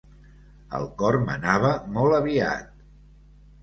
El cor m'anava molt aviat.